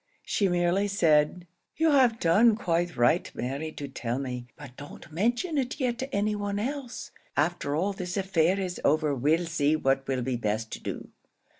She merely said, "You have done quite right, Mary, to tell me; but don't mention it yet to any one else; after all this affair is over we'll see what will be best to do.